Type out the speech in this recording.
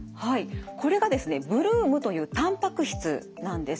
これがですねブルームというたんぱく質なんです。